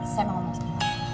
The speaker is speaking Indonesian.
saya mau ngomong sesuatu